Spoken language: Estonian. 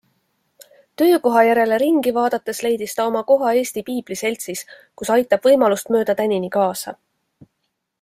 Töökoha järele ringi vaadates leidis ta oma koha Eesti Piibliseltsis, kus aitab võimalust mööda tänini kaasa.